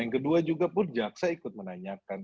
yang kedua juga pun jaksa ikut menanyakan